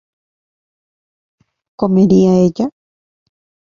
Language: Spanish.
¿Comería ella?